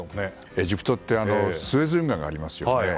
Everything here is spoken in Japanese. エジプトってスエズ運河がありますよね。